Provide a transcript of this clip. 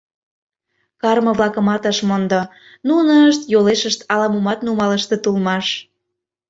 Карме-влакымат ыш мондо: нунышт йолешышт ала-момат нумалыштыт улмаш!